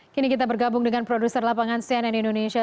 kini kita bergabung dengan produser lapangan cnn indonesia